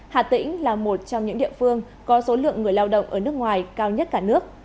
hà tĩnh là một trong những địa phương có số lượng người lao động ở nước ngoài cao nhất cả nước